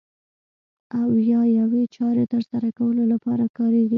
او یا یوې چارې ترسره کولو لپاره کاریږي.